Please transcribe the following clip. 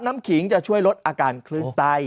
๓น้ำขิงจะช่วยลดอาการคลื้นไส้